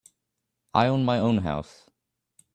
I own my own house.